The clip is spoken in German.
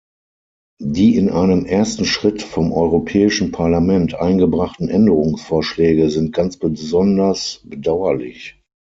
Die in einem ersten Schritt vom Europäischen Parlament eingebrachten Änderungsvorschläge sind ganz besonders bedauerlich.